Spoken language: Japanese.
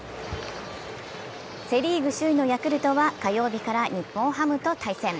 セ・リーグ首位のヤクルトは火曜日から日本ハムと対戦。